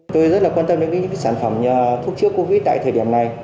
tôi rất quan tâm đến những sản phẩm thuốc chứa covid tại thời điểm này